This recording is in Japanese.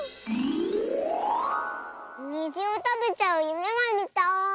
にじをたべちゃうゆめがみたい！